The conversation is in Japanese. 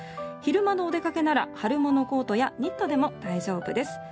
昼間のお出かけなら春物コートやニットでも大丈夫です。